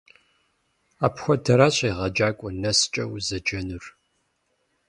Апхуэдэращ егъэджакӀуэ нэскӀэ узэджэнур.